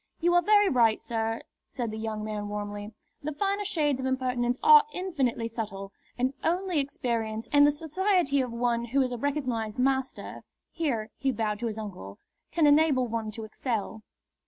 "You are very right, sir," said the young man, warmly. "The finer shades of impertinence are infinitely subtle, and only experience and the society of one who is a recognised master" here he bowed to his uncle "can enable one to excel."